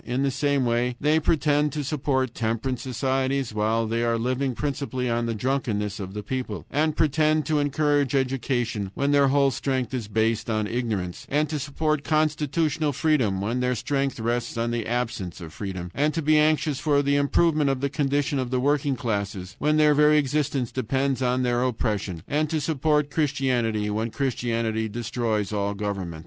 In the same way they pretend to support temperance societies, while they are living principally on the drunkenness of the people; and pretend to encourage education, when their whole strength is based on ignorance; and to support constitutional freedom, when their strength rests on the absence of freedom; and to be anxious for the improvement of the condition of the working classes, when their very existence depends on their oppression; and to support Christianity, when Christianity destroys all government.